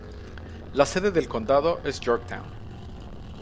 La sede del condado es Yorktown.